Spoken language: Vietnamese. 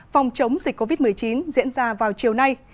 phòng chống dịch covid một mươi chín diễn ra vào chiều nay